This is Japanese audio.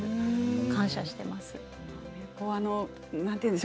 感謝しています。